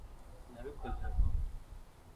nabikoze vuba